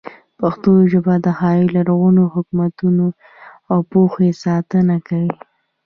پښتو ژبه د هغو لرغونو حکمتونو او پوهې ساتنه کوي.